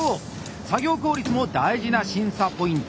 作業効率も大事な審査ポイント。